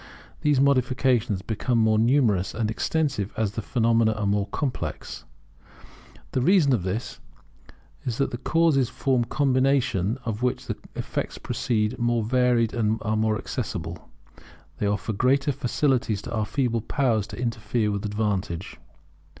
These modifications become more numerous and extensive as the phenomena are more complex. The reason of this is that the causes from a combination of which the effects proceed being more varied and more accessible, offer greater facilities to our feeble powers to interfere with advantage.